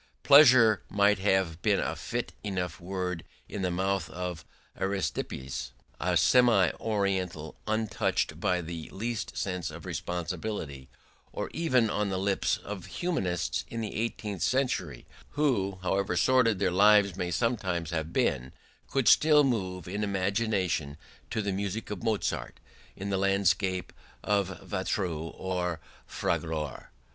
Pleasure might have been a fit enough word in the mouth of Aristippus, a semi oriental untouched by the least sense of responsibility, or even on the lips of humanists in the eighteenth century, who, however sordid their lives may sometimes have been, could still move in imagination to the music of Mozart, in the landscape of Watteau or of Fragonard.